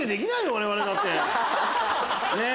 我々だって！ねぇ！